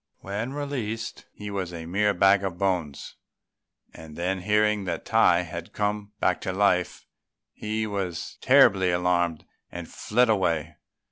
When released he was a mere bag of bones; and then hearing that Tai had come back to life, he was terribly alarmed and fled away.